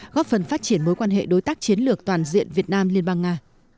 góp phần phát triển mối quan hệ đối tác chiến lược toàn diện việt nam liên bang nga